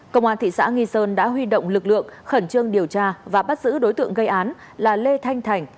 công an thị xã nghi sơn đã huy động lực lượng khẩn trương điều tra và bắt giữ đối tượng gây án là lê thanh thản